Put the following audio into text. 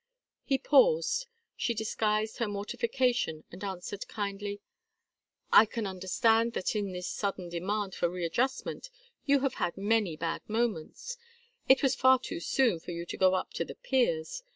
He paused. She disguised her mortification and answered, kindly: "I can understand that in this sudden demand for readjustment you have had many bad moments. It was far too soon for you to go up to the Peers'.